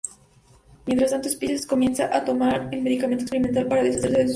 Mientras tanto, Spencer comienza a tomar un medicamento experimental para deshacerse de sus alergias.